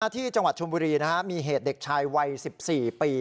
ที่จังหวัดชมบุรีมีเหตุเด็กชายวัย๑๔ปี